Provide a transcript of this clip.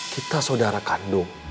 kita saudara kandung